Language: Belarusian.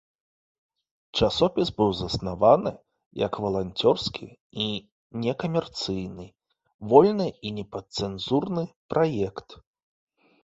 Часопіс быў заснаваны як валанцёрскі і некамерцыйны, вольны і непадцэнзурны праект.